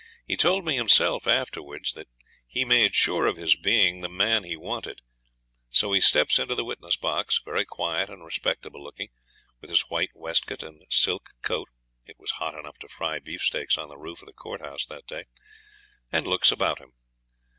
He told me himself afterwards that he made sure of his being the man he wanted; so he steps into the witness box, very quiet and respectable looking, with his white waistcoat and silk coat it was hot enough to fry beefsteaks on the roof of the courthouse that day and looks about him.